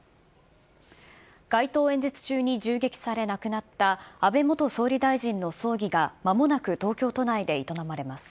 街頭演説中に銃撃され亡くなった、安倍元総理大臣の葬儀が、まもなく東京都内で営まれます。